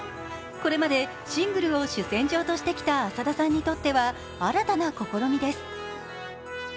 これまでシングルを主戦場としてきた浅田さんにとっては新たな試みです。